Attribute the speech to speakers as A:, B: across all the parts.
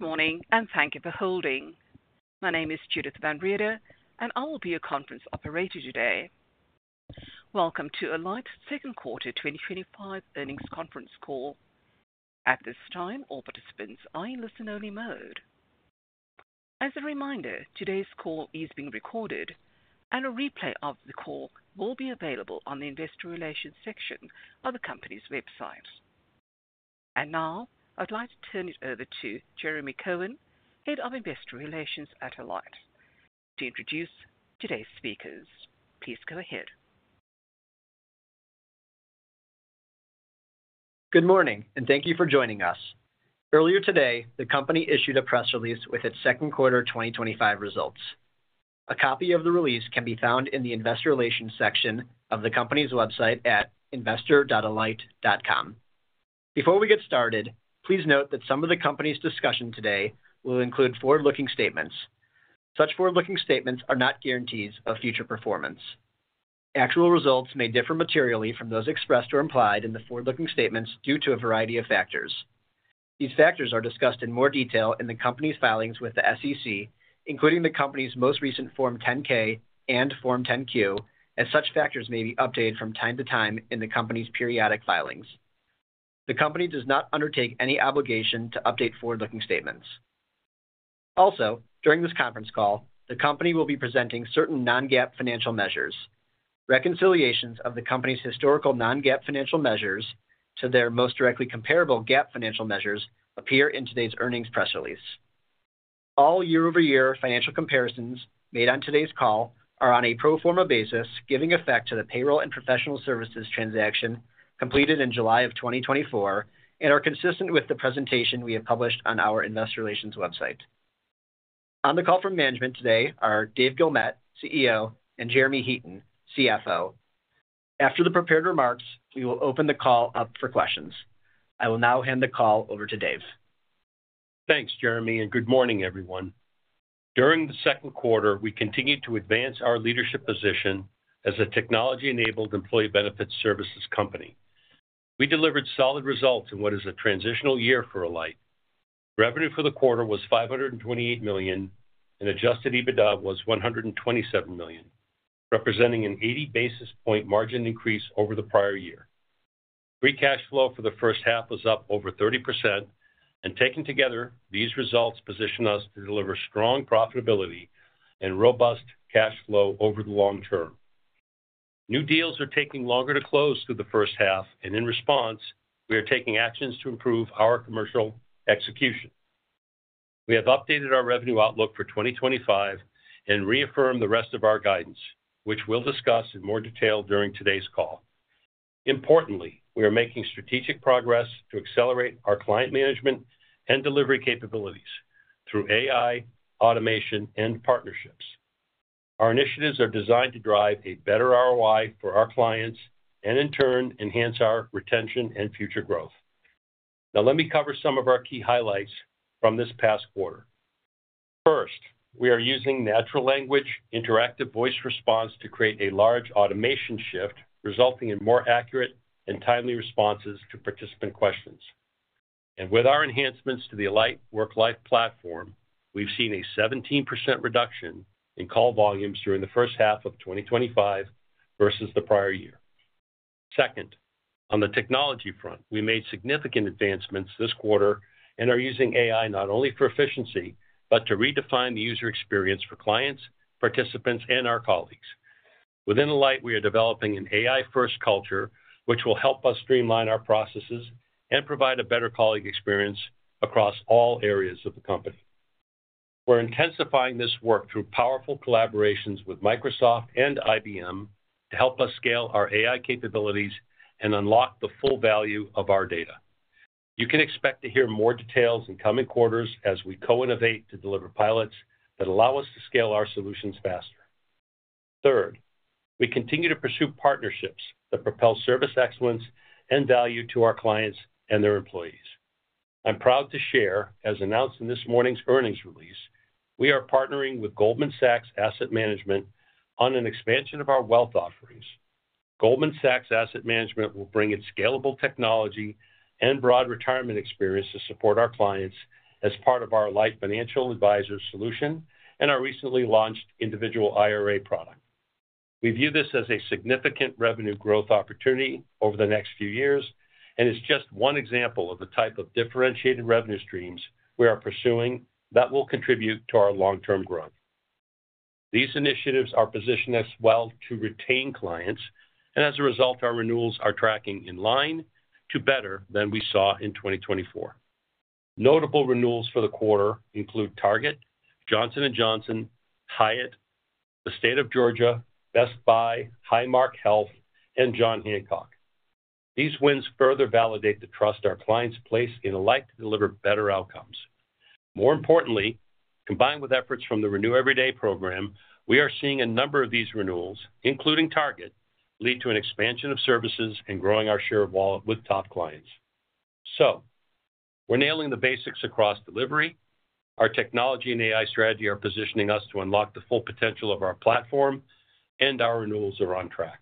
A: Morning and thank you for holding. My name is [Judith van Reede] and I will be your conference operator today. Welcome to Alight's Second Quarter 2025 Earnings Conference Call. At this time, all participants are in listen-only mode. As a reminder, today's call is being recorded, and a replay of the call will be available on the investor relations section of the company's website. Now, I'd like to turn it over to Jeremy Cohen, Head of Investor Relations at Alight, to introduce today's speakers. Please go ahead.
B: Good morning and thank you for joining us. Earlier today, the company issued a press release with its second quarter 2025 results. A copy of the release can be found in the investor relations section of the company's website at investor.alight.com. Before we get started, please note that some of the company's discussion today will include forward-looking statements. Such forward-looking statements are not guarantees of future performance. Actual results may differ materially from those expressed or implied in the forward-looking statements due to a variety of factors. These factors are discussed in more detail in the company's filings with the SEC, including the company's most recent Form 10-K and Form 10-Q, as such factors may be updated from time to time in the company's periodic filings. The company does not undertake any obligation to update forward-looking statements. Also, during this conference call, the company will be presenting certain non-GAAP financial measures. Reconciliations of the company's historical non-GAAP financial measures to their most directly comparable GAAP financial measures appear in today's earnings press release. All year-over-year financial comparisons made on today's call are on a pro forma basis, giving effect to the payroll and professional services transaction completed in July of 2024 and are consistent with the presentation we have published on our investor relations website. On the call from management today are Dave Guilmette, CEO, and Jeremy Heaton, CFO. After the prepared remarks, we will open the call up for questions. I will now hand the call over to Dave.
C: Thanks, Jeremy, and good morning, everyone. During the second quarter, we continued to advance our leadership position as a technology-enabled employee benefits services company. We delivered solid results in what is a transitional year for Alight. Revenue for the quarter was $528 million and adjusted EBITDA was $127 million, representing an 80 basis point margin increase over the prior year. Free cash flow for the first half was up over 30%, and taken together, these results position us to deliver strong profitability and robust cash flow over the long term. New deals are taking longer to close through the first half, and in response, we are taking actions to improve our commercial execution. We have updated our revenue outlook for 2025 and reaffirmed the rest of our guidance, which we'll discuss in more detail during today's call. Importantly, we are making strategic progress to accelerate our client management and delivery capabilities through AI, automation, and partnerships. Our initiatives are designed to drive a better ROI for our clients and, in turn, enhance our retention and future growth. Now, let me cover some of our key highlights from this past quarter. First, we are using natural language interactive voice response to create a large automation shift, resulting in more accurate and timely responses to participant questions. With our enhancements to the Alight Worklife platform, we've seen a 17% reduction in call volumes during the first half of 2025 versus the prior year. Second, on the technology front, we made significant advancements this quarter and are using AI not only for efficiency but to redefine the user experience for clients, participants, and our colleagues. Within Alight, we are developing an AI-first culture, which will help us streamline our processes and provide a better colleague experience across all areas of the company. We're intensifying this work through powerful collaborations with Microsoft and IBM to help us scale our AI capabilities and unlock the full value of our data. You can expect to hear more details in coming quarters as we co-innovate to deliver pilots that allow us to scale our solutions faster. Third, we continue to pursue partnerships that propel service excellence and value to our clients and their employees. I'm proud to share, as announced in this morning's earnings release, we are partnering with Goldman Sachs Asset Management on an expansion of our wealth offerings. Goldman Sachs Asset Management will bring its scalable technology and broad retirement experience to support our clients as part of our Alight Financial Advisor Solution and our recently launched individual IRA product. We view this as a significant revenue growth opportunity over the next few years and is just one example of the type of differentiated revenue streams we are pursuing that will contribute to our long-term growth. These initiatives are positioned as well to retain clients, and as a result, our renewals are tracking in line to better than we saw in 2024. Notable renewals for the quarter include Target, Johnson & Johnson, Hyatt, the State of Georgia, Best Buy, Highmark Health, and John Hancock. These wins further validate the trust our clients place in Alight to deliver better outcomes. More importantly, combined with efforts from the Renew Every Day program, we are seeing a number of these renewals, including Target, lead to an expansion of services and growing our share of wallet with top clients. We're nailing the basics across delivery. Our technology and AI strategy are positioning us to unlock the full potential of our platform, and our renewals are on track.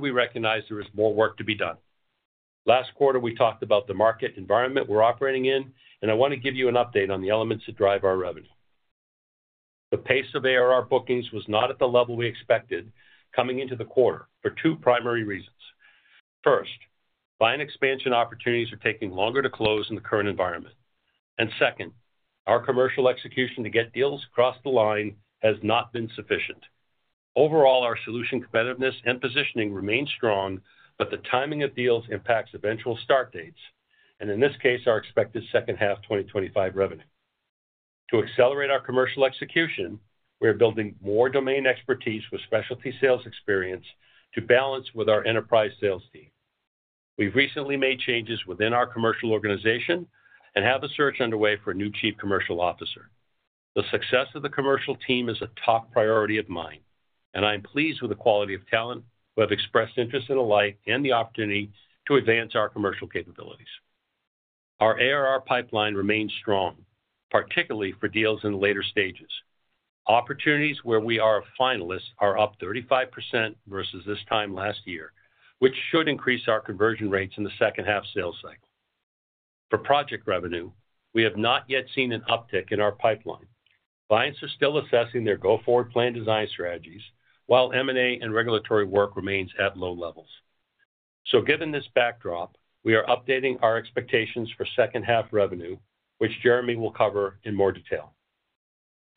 C: We recognize there is more work to be done. Last quarter, we talked about the market environment we're operating in, and I want to give you an update on the elements that drive our revenue. The pace of ARR bookings was not at the level we expected coming into the quarter for two primary reasons. First, client expansion opportunities are taking longer to close in the current environment. Second, our commercial execution to get deals across the line has not been sufficient. Overall, our solution competitiveness and positioning remain strong, but the timing of deals impacts eventual start dates, and in this case, our expected second half 2025 revenue. To accelerate our commercial execution, we are building more domain expertise with specialty sales experience to balance with our enterprise sales team. We've recently made changes within our commercial organization and have a search underway for a new Chief Commercial Officer. The success of the commercial team is a top priority of mine, and I am pleased with the quality of talent who have expressed interest in Alight and the opportunity to advance our commercial capabilities. Our ARR pipeline remains strong, particularly for deals in the later stages. Opportunities where we are a finalist are up 35% versus this time last year, which should increase our conversion rates in the second half sales cycle. For project revenue, we have not yet seen an uptick in our pipeline. Clients are still assessing their go-forward plan design strategies, while M&A and regulatory work remains at low levels. Given this backdrop, we are updating our expectations for second half revenue, which Jeremy will cover in more detail.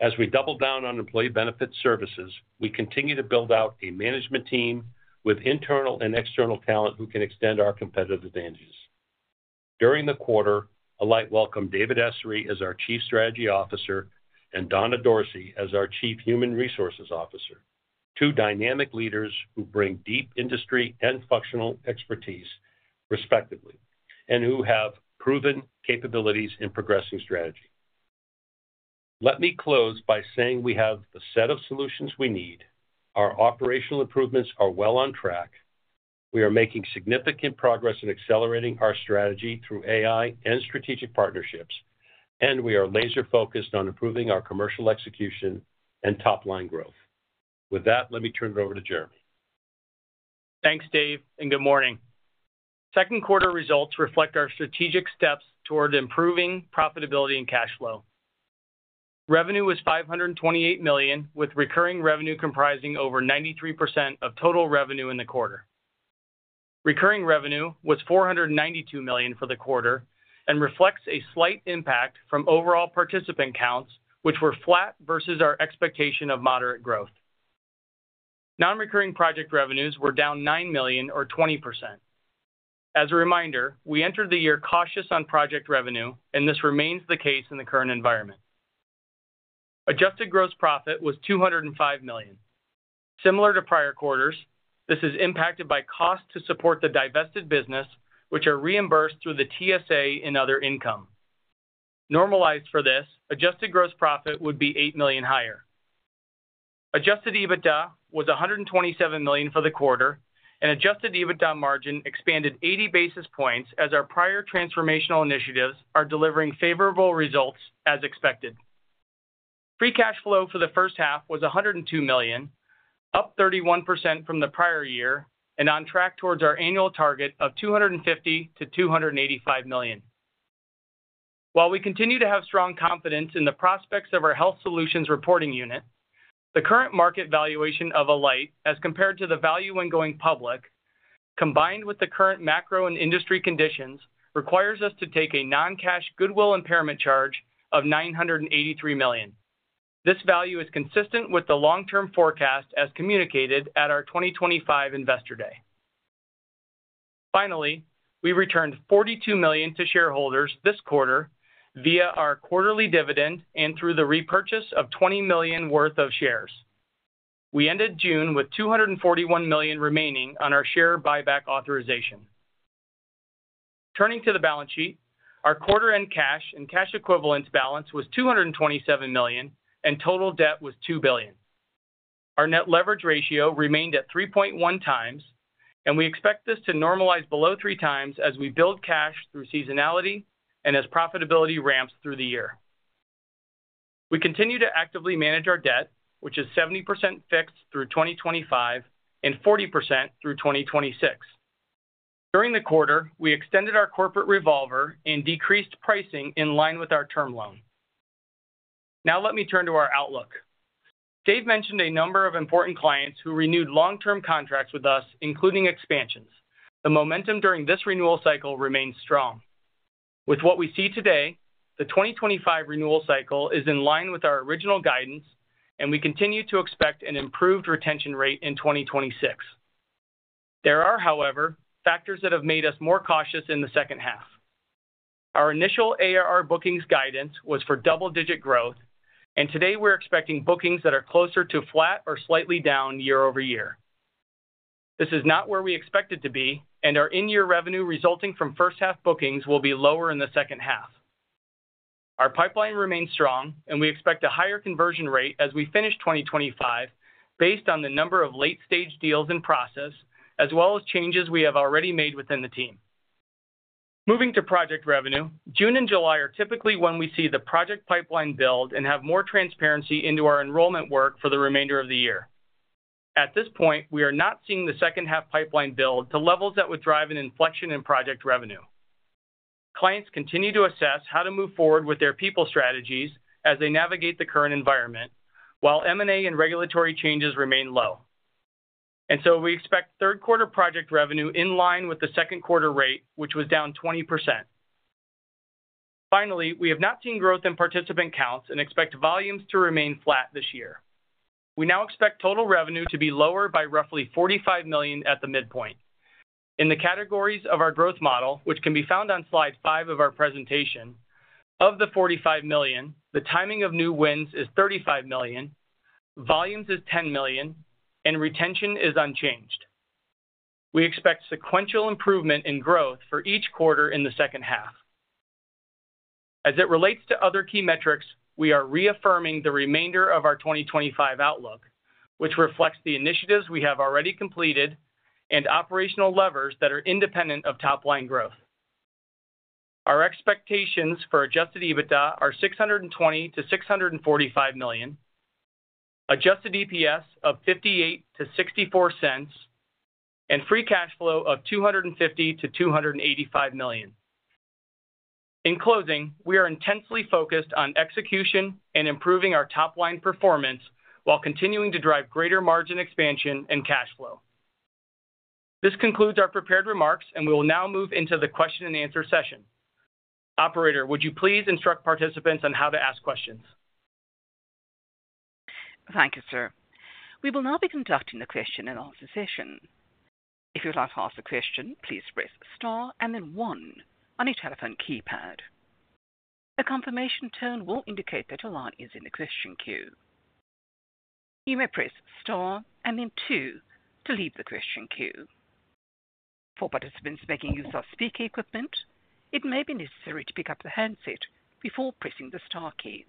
C: As we double down on employee benefits services, we continue to build out a management team with internal and external talent who can extend our competitive advantages. During the quarter, Alight welcomed David Essary as our Chief Strategy Officer and Donna Dorsey as our Chief Human Resources Officer, two dynamic leaders who bring deep industry and functional expertise, respectively, and who have proven capabilities in progressing strategy. Let me close by saying we have the set of solutions we need. Our operational improvements are well on track. We are making significant progress in accelerating our strategy through AI and strategic partnerships, and we are laser-focused on improving our commercial execution and top-line growth. With that, let me turn it over to Jeremy.
D: Thanks, Dave, and good morning. Second quarter results reflect our strategic steps toward improving profitability and cash flow. Revenue was $528 million, with recurring revenue comprising over 93% of total revenue in the quarter. Recurring revenue was $492 million for the quarter and reflects a slight impact from overall participant counts, which were flat versus our expectation of moderate growth. Non-recurring project revenues were down $9 million, or 20%. As a reminder, we entered the year cautious on project revenue, and this remains the case in the current environment. Adjusted Gross Profit was $205 million. Similar to prior quarters, this is impacted by costs to support the divested business, which are reimbursed through the TSA and other income. Normalized for this, Adjusted Gross Profit would be $8 million higher. Adjusted EBITDA was $127 million for the quarter, and Adjusted EBITDA margin expanded 80 basis points as our prior transformational initiatives are delivering favorable results as expected. Free cash flow for the first half was $102 million, up 31% from the prior year and on track towards our annual target of $250 million-$285 million. While we continue to have strong confidence in the prospects of our Health Solutions Reporting Unit, the current market valuation of Alight as compared to the value when going public, combined with the current macro and industry conditions, requires us to take a non-cash goodwill impairment charge of $983 million. This value is consistent with the long-term forecast as communicated at our 2025 Investor Day. Finally, we returned $42 million to shareholders this quarter via our quarterly dividend and through the repurchase of $20 million worth of shares. We ended June with $241 million remaining on our share buyback authorization. Turning to the balance sheet, our quarter-end cash and cash equivalents balance was $227 million, and total debt was $2 billion. Our net leverage ratio remained at 3.1x, and we expect this to normalize below 3x as we build cash through seasonality and as profitability ramps through the year. We continue to actively manage our debt, which is 70% fixed through 2025 and 40% through 2026. During the quarter, we extended our corporate revolver and decreased pricing in line with our term loan. Now let me turn to our outlook. Dave mentioned a number of important clients who renewed long-term contracts with us, including expansions. The momentum during this renewal cycle remains strong. With what we see today, the 2025 renewal cycle is in line with our original guidance, and we continue to expect an improved retention rate in 2026. There are, however, factors that have made us more cautious in the second half. Our initial ARR bookings guidance was for double-digit growth, and today we're expecting bookings that are closer to flat or slightly down year-over-year. This is not where we expect it to be, and our in-year revenue resulting from first half bookings will be lower in the second half. Our pipeline remains strong, and we expect a higher conversion rate as we finish 2025 based on the number of late-stage deals in process, as well as changes we have already made within the team. Moving to project revenue, June and July are typically when we see the project pipeline build and have more transparency into our enrollment work for the remainder of the year. At this point, we are not seeing the second half pipeline build to levels that would drive an inflection in project revenue. Clients continue to assess how to move forward with their people strategies as they navigate the current environment, while M&A and regulatory changes remain low. We expect third quarter project revenue in line with the second quarter rate, which was down 20%. Finally, we have not seen growth in participant counts and expect volumes to remain flat this year. We now expect total revenue to be lower by roughly $45 million at the midpoint. In the categories of our growth model, which can be found on slide five of our presentation, of the $45 million, the timing of new wins is $35 million, volumes is $10 million, and retention is unchanged. We expect sequential improvement in growth for each quarter in the second half. As it relates to other key metrics, we are reaffirming the remainder of our 2025 outlook, which reflects the initiatives we have already completed and operational levers that are independent of top-line growth. Our expectations for adjusted EBITDA are $620 million-$645 million, adjusted EPS of $0.58-$0.64, and free cash flow of $250 million-$285 million. In closing, we are intensely focused on execution and improving our top-line performance while continuing to drive greater margin expansion and cash flow. This concludes our prepared remarks, and we will now move into the question and answer session. Operator, would you please instruct participants on how to ask questions?
A: Thank you, sir. We will now be conducting the question-and-answer session. If you'd like to ask a question, please press star and then one on your telephone keypad. A confirmation tone will indicate that your line is in the question queue. You may press star and then two to leave the question queue. For participants making use of speaker equipment, it may be necessary to pick up the handset before pressing the star keys.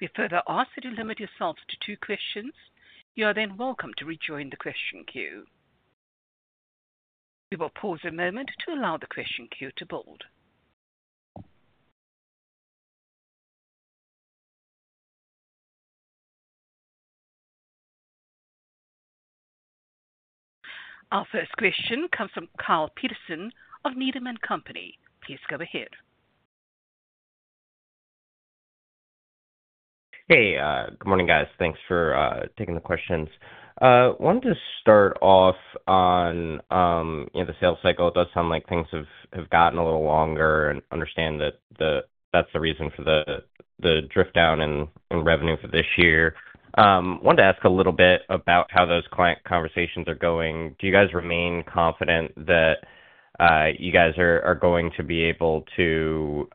A: We further ask that you limit yourselves to two questions. You are then welcome to rejoin the question queue. We will pause a moment to allow the question queue to board. Our first question comes from Kyle Peterson of Needham & Company. Please go ahead.
E: Hey, good morning, guys. Thanks for taking the questions. I wanted to start off on the sales cycle. It does sound like things have gotten a little longer and understand that that's the reason for the drift down in revenue for this year. I wanted to ask a little bit about how those client conversations are going. Do you guys remain confident that you guys are going to be able to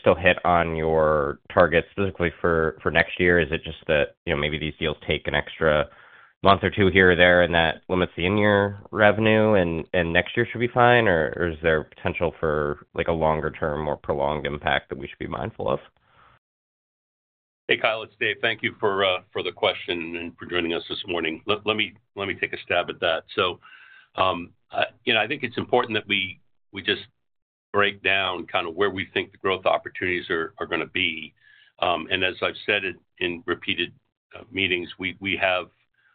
E: still hit on your targets specifically for next year? Is it just that maybe these deals take an extra month or two here or there and that limits the in-year revenue and next year should be fine? Is there potential for a longer term, more prolonged impact that we should be mindful of?
C: Hey, Kyle. It's Dave. Thank you for the question and for joining us this morning. Let me take a stab at that. I think it's important that we just break down kind of where we think the growth opportunities are going to be. As I've said in repeated meetings, we have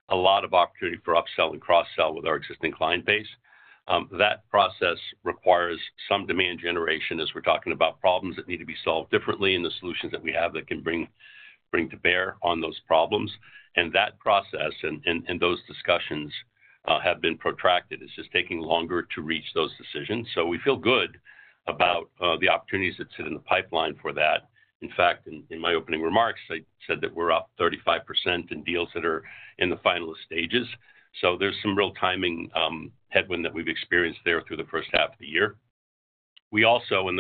C: a lot of opportunity for upsell and cross-sell with our existing client base. That process requires some demand generation as we're talking about problems that need to be solved differently and the solutions that we have that can bring to bear on those problems. That process and those discussions have been protracted. It's just taking longer to reach those decisions. We feel good about the opportunities that sit in the pipeline for that. In fact, in my opening remarks, I said that we're up 35% in deals that are in the finalist stages. There's some real timing headwind that we've experienced there through the first half of the year. We also, in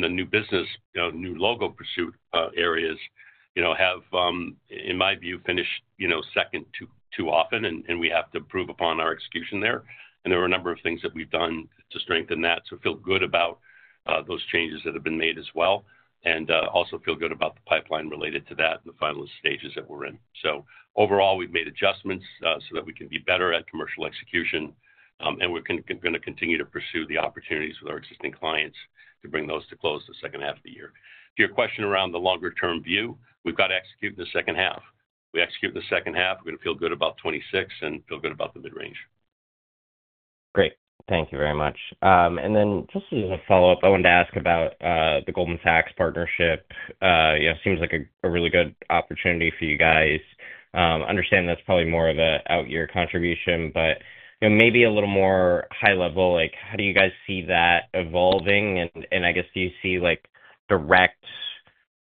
C: the new business, new logo pursuit areas, have in my view finished second too often and we have to improve upon our execution there. There are a number of things that we've done to strengthen that. I feel good about those changes that have been made as well and also feel good about the pipeline related to that and the finalist stages that we're in. Overall, we've made adjustments so that we can be better at commercial execution and we're going to continue to pursue the opportunities with our existing clients to bring those to close the second half of the year. To your question around the longer term view, we've got to execute in the second half. We execute in the second half, we're going to feel good about 2026 and feel good about the mid-range.
E: Great. Thank you very much. Just as a follow-up, I wanted to ask about the Goldman Sachs Asset Management partnership. It seems like a really good opportunity for you guys. I understand that's probably more of an out-year contribution, but maybe a little more high level, like how do you guys see that evolving? I guess, do you see like direct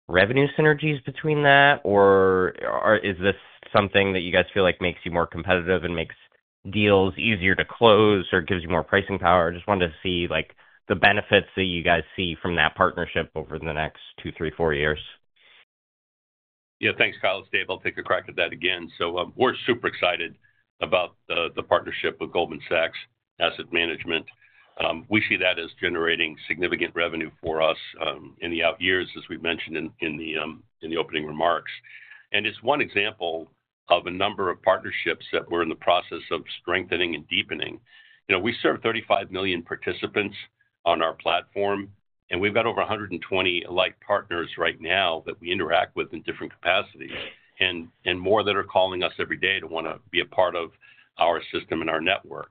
E: revenue synergies between that or is this something that you guys feel like makes you more competitive and makes deals easier to close or gives you more pricing power? I just wanted to see like the benefits that you guys see from that partnership over the next two, three, four years.
C: Yeah, thanks, Kyle. It's Dave. I'll take a crack at that again. We're super excited about the partnership with Goldman Sachs Asset Management. We see that as generating significant revenue for us in the out years, as we've mentioned in the opening remarks. It is one example of a number of partnerships that we're in the process of strengthening and deepening. We serve 35 million participants on our platform and we've got over 120 Alight partners right now that we interact with in different capacities and more that are calling us every day to want to be a part of our system and our network.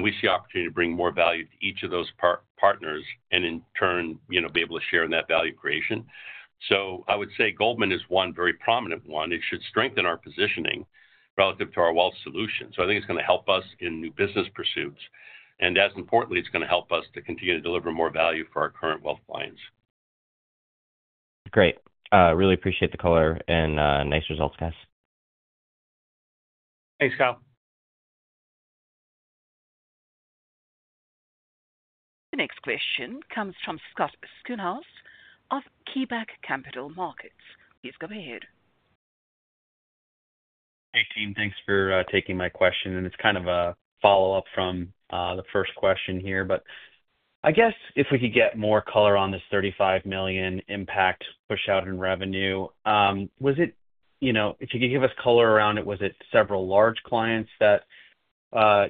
C: We see opportunity to bring more value to each of those partners and in turn, be able to share in that value creation. I would say Goldman is one very prominent one. It should strengthen our positioning relative to our wealth solution. I think it's going to help us in new business pursuits and as importantly, it's going to help us to continue to deliver more value for our current wealth clients.
E: Great. Really appreciate the color and nice results, guys.
C: Thanks, Kyle.
A: The next question comes from Scott Schoenhaus of KeyBanc Capital Markets. Please go ahead.
F: Hey, team. Thanks for taking my question and it's kind of a follow-up from the first question here, but I guess if we could get more color on this $35 million impact push out in revenue. Was it, you know, if you could give us color around it, was it several large clients that,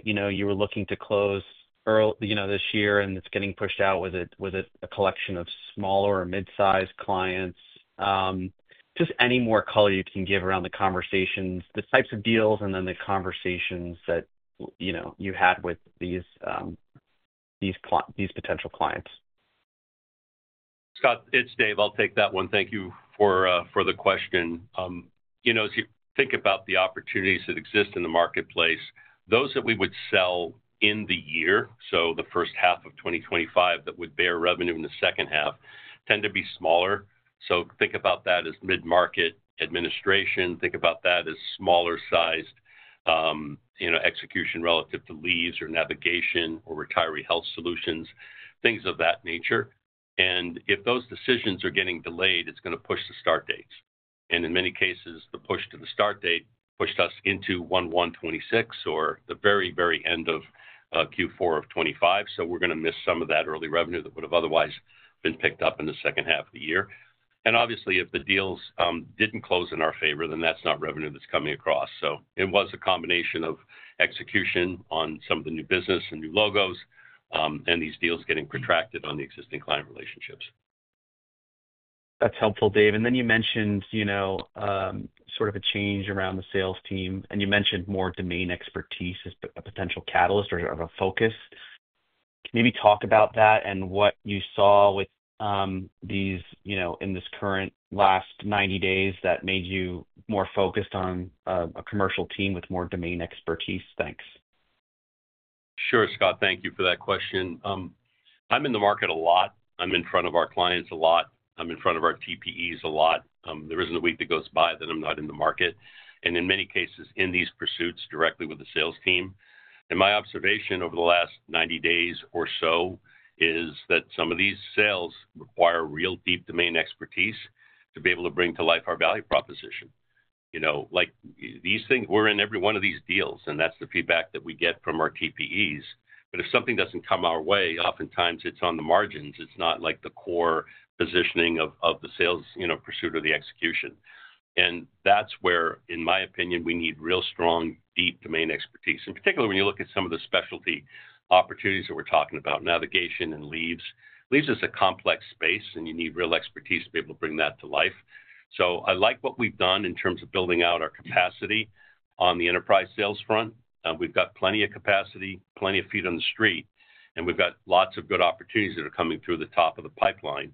F: you know, you were looking to close this year and it's getting pushed out? Was it a collection of smaller or mid-sized clients? Just any more color you can give around the conversations, the types of deals and then the conversations that, you know, you had with these potential clients.
C: Scott, it's Dave. I'll take that one. Thank you for the question. As you think about the opportunities that exist in the marketplace, those that we would sell in the year, so the first half of 2025 that would bear revenue in the second half, tend to be smaller. Think about that as mid-market administration, think about that as smaller sized execution relative to leaves or navigation or retiree health solutions, things of that nature. If those decisions are getting delayed, it's going to push the start dates. In many cases, the push to the start date pushed us into 1/1/2026 or the very, very end of Q4 of 2025. We're going to miss some of that early revenue that would have otherwise been picked up in the second half of the year. Obviously, if the deals didn't close in our favor, then that's not revenue that's coming across. It was a combination of execution on some of the new business and new logos and these deals getting protracted on the existing client relationships.
F: That's helpful, Dave. You mentioned, you know, sort of a change around the sales team and you mentioned more domain expertise as a potential catalyst or a focus. Maybe talk about that and what you saw with these, you know, in this current last 90 days that made you more focused on a commercial team with more domain expertise. Thanks.
C: Sure, Scott. Thank you for that question. I'm in the market a lot. I'm in front of our clients a lot. I'm in front of our TPEs a lot. There isn't a week that goes by that I'm not in the market. In many cases, in these pursuits directly with the sales team, my observation over the last 90 days or so is that some of these sales require real deep domain expertise to be able to bring to life our value proposition. You know, like these things, we're in every one of these deals and that's the feedback that we get from our TPEs. If something doesn't come our way, oftentimes it's on the margins. It's not like the core positioning of the sales pursuit or the execution. That's where, in my opinion, we need real strong deep domain expertise. In particular, when you look at some of the specialty opportunities that we're talking about, navigation and leaves. Leaves is a complex space and you need real expertise to be able to bring that to life. I like what we've done in terms of building out our capacity on the enterprise sales front. We've got plenty of capacity, plenty of feet on the street, and we've got lots of good opportunities that are coming through the top of the pipeline.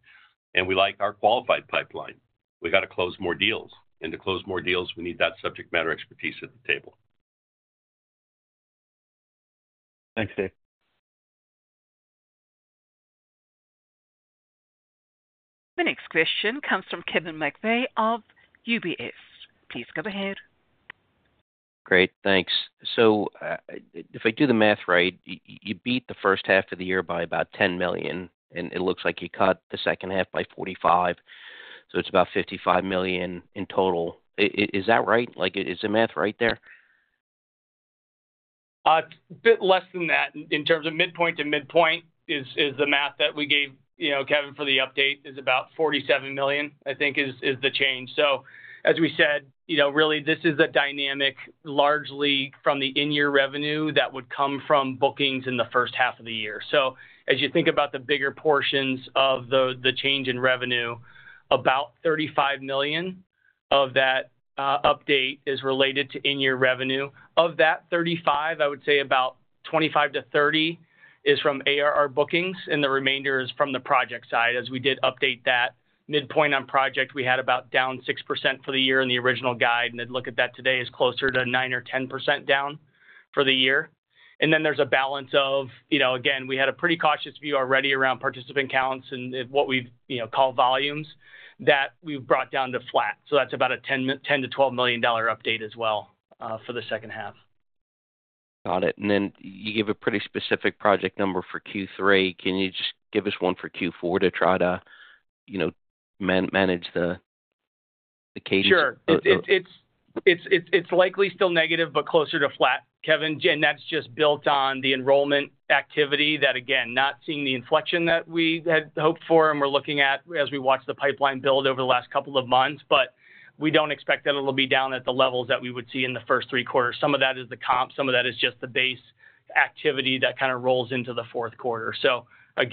C: We like our qualified pipeline. We got to close more deals. To close more deals, we need that subject matter expertise at the table.
F: Thanks, Dave.
A: The next question comes from Kevin McVeigh of UBS. Please go ahead.
G: Great, thanks. If I do the math right, you beat the first half of the year by about $10 million, and it looks like you cut the second half by $45 million. It's about $55 million in total. Is that right? Is the math right there?
D: A bit less than that in terms of midpoint to midpoint is the math that we gave, you know, Kevin, for the update is about $47 million, I think is the change. As we said, really this is a dynamic largely from the in-year revenue that would come from bookings in the first half of the year. As you think about the bigger portions of the change in revenue, about $35 million of that update is related to in-year revenue. Of that $35 million, I would say about $25 to $30 million is from ARR bookings and the remainder is from the project side. As we did update that midpoint on project, we had about down 6% for the year in the original guide. I would look at that today as closer to 9%-10% down for the year. There is a balance of, you know, again, we had a pretty cautious view already around participant counts and what we've, you know, called volumes that we've brought down to flat. That's about a $10 million-$12 million update as well for the second half.
G: Got it. You gave a pretty specific project number for Q3. Can you just give us one for Q4 to try to, you know, manage the case?
D: Sure. It's likely still negative, but closer to flat, Kevin. That's just built on the enrollment activity that, again, not seeing the inflection that we had hoped for and we're looking at as we watch the pipeline build over the last couple of months. We don't expect that it'll be down at the levels that we would see in the first three quarters. Some of that is the comp, some of that is just the base activity that kind of rolls into the fourth quarter. I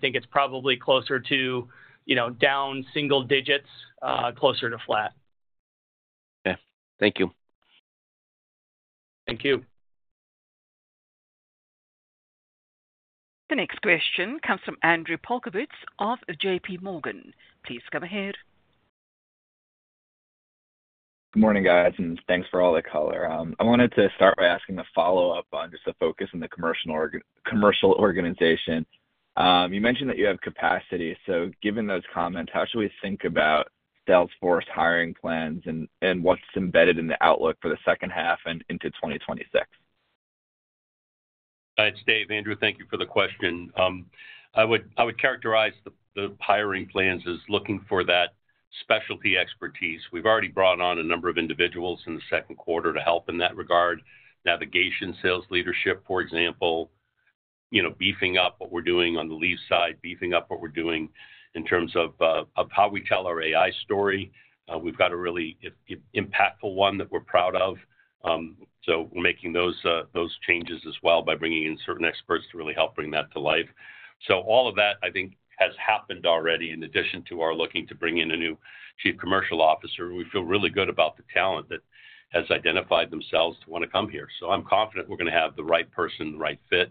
D: think it's probably closer to, you know, down single digits, closer to flat.
G: Okay, thank you.
D: Thank you.
A: The next question comes from Andrew Polkowitz of JPMorgan. Please go ahead.
H: Morning, guys, and thanks for all the color. I wanted to start by asking a follow-up on just the focus in the commercial organization. You mentioned that you have capacity. Given those comments, how should we think about Salesforce hiring plans and what's embedded in the outlook for the second half and into 2026?
C: It's Dave. Andrew, thank you for the question. I would characterize the hiring plans as looking for that specialty expertise. We've already brought on a number of individuals in the second quarter to help in that regard. Navigation sales leadership, for example, beefing up what we're doing on the leave side, beefing up what we're doing in terms of how we tell our AI story. We've got a really impactful one that we're proud of. We're making those changes as well by bringing in certain experts to really help bring that to life. All of that, I think, has happened already in addition to our looking to bring in a new Chief Commercial Officer. We feel really good about the talent that has identified themselves to want to come here. I'm confident we're going to have the right person, the right fit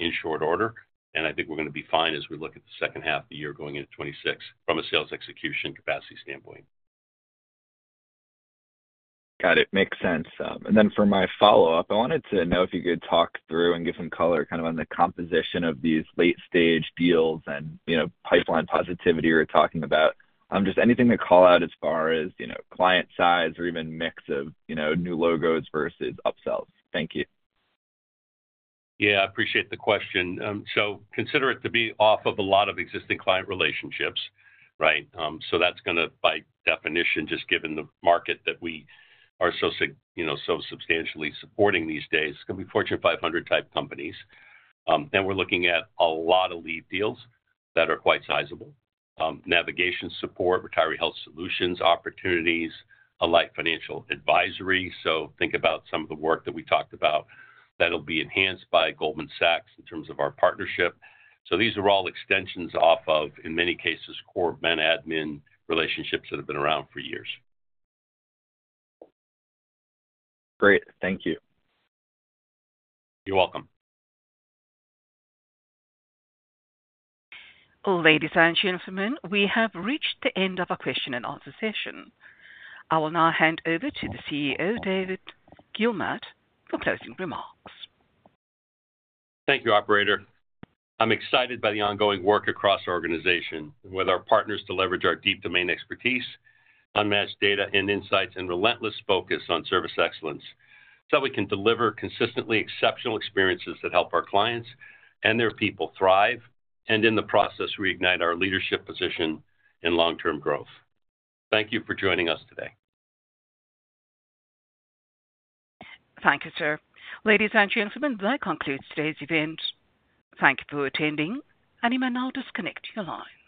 C: in short order. I think we're going to be fine as we look at the second half of the year going into 2026 from a sales execution capacity standpoint.
H: Got it. Makes sense. For my follow-up, I wanted to know if you could talk through and give some color kind of on the composition of these late-stage deals and, you know, pipeline positivity we're talking about. Just anything to call out as far as, you know, client size or even mix of, you know, new logos versus upsells. Thank you.
C: Yeah, I appreciate the question. Consider it to be off of a lot of existing client relationships, right? That's going to, by definition, just given the market that we are so substantially supporting these days, be Fortune 500 type companies. We're looking at a lot of lead deals that are quite sizable. Navigation support, retiree health solutions opportunities, Alight Financial Advisor Solution. Think about some of the work that we talked about that'll be enhanced by Goldman Sachs Asset Management in terms of our partnership. These are all extensions off of, in many cases, core Ben admin relationships that have been around for years.
H: Great. Thank you.
C: You're welcome.
A: Ladies and gentlemen, we have reached the end of our question-and-answer session. I will now hand over to the CEO, Dave Guilmette, for closing remarks.
C: Thank you, Operator. I'm excited by the ongoing work across our organization with our partners to leverage our deep domain expertise, unmatched data and insights, and relentless focus on service excellence, so we can deliver consistently exceptional experiences that help our clients and their people thrive, and in the process, reignite our leadership position in long-term growth. Thank you for joining us today.
A: Thank you, sir. Ladies and gentlemen, that concludes today's event. Thank you for attending, and you may now disconnect your lines.